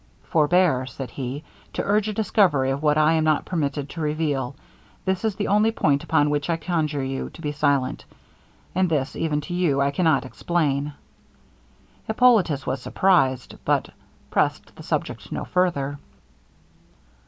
'Forbear,' said he, 'to urge a discovery of what I am not permitted to reveal; this is the only point upon which I conjure you to be silent, and this even to you, I cannot explain.' Hippolitus was surprized, but pressed the subject no farther.